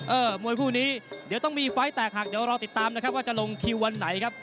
มวยคู่นี้เดี๋ยวต้องมีไฟล์แตกหักเดี๋ยวรอติดตามนะครับว่าจะลงคิววันไหนครับ